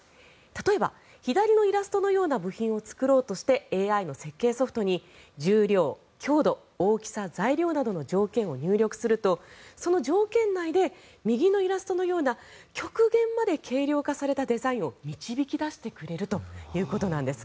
例えば、左のイラストのような部品を作ろうとしてＡＩの設計ソフトに重量、強度、大きさ、材料などの条件を入力するとその条件内で右のイラストのような極限まで軽量化されたデザインを導き出してくれるということなんです。